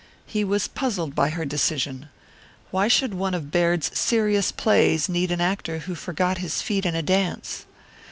He was puzzled by her decision. Why should one of Baird's serious plays need an actor who forgot his feet in a dance?